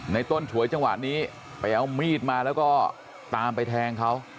ต้นฉวยจังหวะนี้ไปเอามีดมาแล้วก็ตามไปแทงเขา